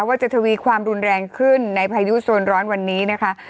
ว่าจะทวีความรุนแรงขึ้นในพายุโซนร้อนวันนี้นะคะ